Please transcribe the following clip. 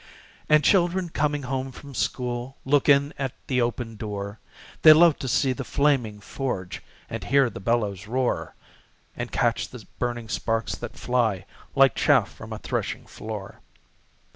And children coming home from school Look in at the open door; They love to see the flaming forge, And hear the bellows roar, And catch the burning sparks that fly Like chaff from a threshing floor.